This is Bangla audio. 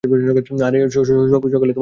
আরে, সকালে হাটতে হবে।